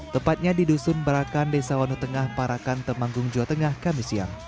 tepatnya di dusun barakan desa wanu tengah parakan temanggung jawa tengah kamisiam